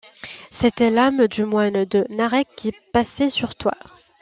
C'était l'âme du moine de Narek qui passait sur toi.